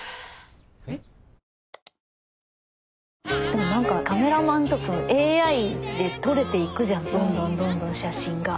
でも何かカメラマンとかＡＩで撮れていくじゃんどんどんどんどん写真が。